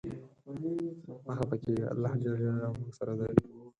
مه خپه کیږه ، الله ج له مونږ سره دی.